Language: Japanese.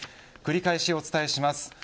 繰り返しお伝えします。